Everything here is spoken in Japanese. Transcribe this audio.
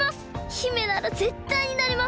姫ならぜったいになれます！